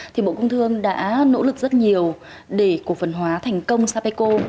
thì bộ công thương đã nỗ lực rất nhiều để cổ phần hóa thành công sapeco